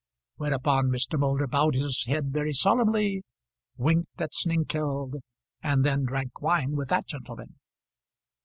Whereupon Mr. Moulder bowed his head very solemnly, winked at Snengkeld, and then drank wine with that gentleman.